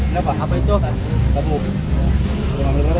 nice telur gunanya